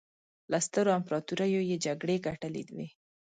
له سترو امپراطوریو یې جګړې ګټلې وې.